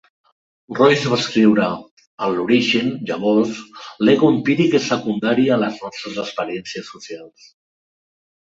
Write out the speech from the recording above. Royce va escriure: en l'origen, llavors, l'ego empíric és secundari a les nostres experiències socials.